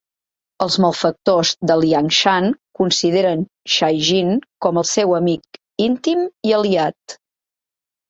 Els malfactors de Liangshan consideren Chai Jin com el seu amic íntim i aliat.